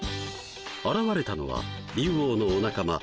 現れたのは竜王のお仲間